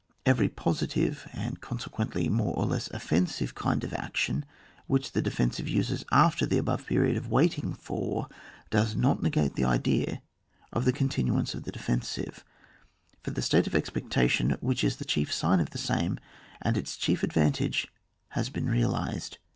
Every positive, and consequently more or less offensive, kind of action which the defensive uses after the above period of waiting for, does not negative the idea of the continuance of the defensive ; for the state of expectation, which is the chief sign of the same, and its chief ad* vantage, has been realised.